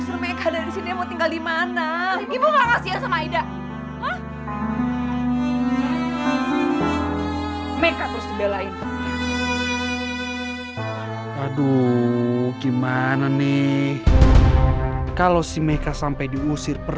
sampai jumpa di video selanjutnya